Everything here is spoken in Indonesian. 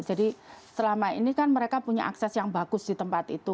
jadi selama ini kan mereka punya akses yang bagus di tempat itu